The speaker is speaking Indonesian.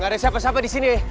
gak ada siapa siapa disini